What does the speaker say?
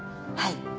はい。